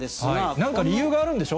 なんか理由があるんでしょ？